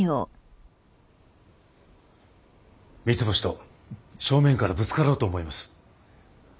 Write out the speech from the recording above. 三ツ星と正面からぶつかろうと思います。